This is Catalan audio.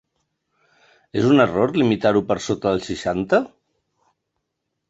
És un error limitar-ho per sota dels seixanta?